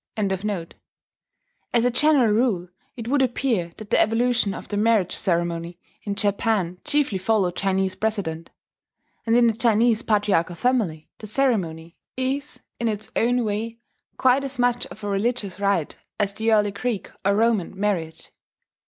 ] As a general rule it would appear that the evolution of the marriage ceremony in Japan chiefly followed Chinese precedent; and in the Chinese patriarchal family the ceremony is in its own way quite as much of a religious rite as the early Greek or Roman marriage.